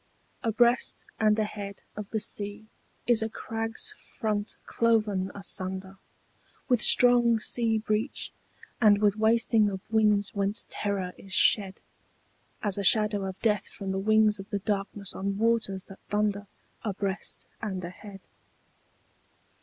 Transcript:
ABREAST and ahead of the sea is a crag's front cloven asunder With strong sea breach and with wasting of winds whence terror is shed As a shadow of death from the wings of the darkness on waters that thunder Abreast and ahead.